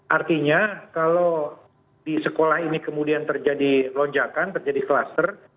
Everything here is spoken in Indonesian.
artinya kalau di sekolah ini kemudian terjadi lonjakan terjadi kluster